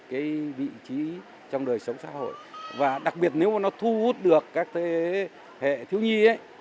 cái vị trí trong đời sống xã hội và đặc biệt nếu mà nó thu hút được các hệ thiếu nhi ấy